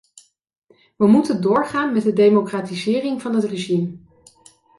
We moeten doorgaan met de democratisering van het regime.